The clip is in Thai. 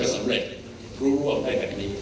ร่วงได้แบบนี้